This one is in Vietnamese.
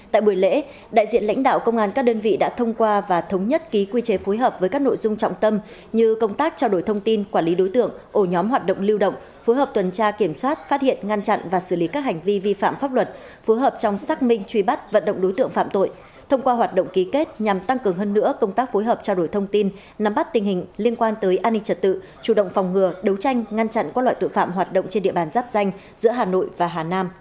tại buổi lễ đại diện lãnh đạo công an các đơn vị đã thông qua và thống nhất ký quy chế phối hợp với các nội dung trọng tâm như công tác trao đổi thông tin quản lý đối tượng ổ nhóm hoạt động lưu động phối hợp tuần tra kiểm soát phát hiện ngăn chặn và xử lý các hành vi vi phạm pháp luật phối hợp trong xác minh truy bắt vận động đối tượng phạm tội thông qua hoạt động ký kết nhằm tăng cường hơn nữa công tác phối hợp trao đổi thông tin nắm bắt tình hình liên quan tới an ninh trật tự chủ động phòng ngừa đấu tranh